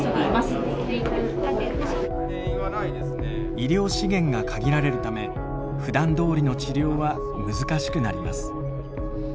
医療資源が限られるためふだんどおりの治療は難しくなります。